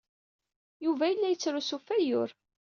Yuba yella yettrusu ɣef wayyur.